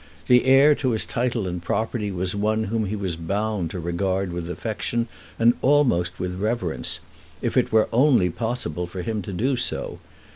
The heir to his title and property was one whom he was bound to regard with affection and almost with reverence, if it were only possible for him to do so.